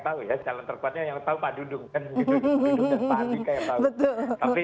kalau saya ya nggak tahu ya calon terkuatnya yang tahu pak dudung kan gitu pak adik